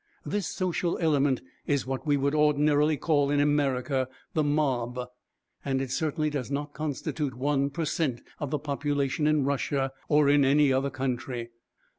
This social element is what we would ordinarily call in America the "mob," and it certainly does not constitute one per cent. of the population in Russia or in any other country.